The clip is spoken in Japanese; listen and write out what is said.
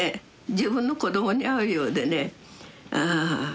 自分の子供に会うようでね。